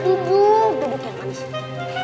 duduk ya manis